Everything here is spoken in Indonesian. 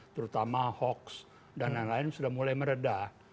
terutama hoax dan lain lain sudah mulai meredah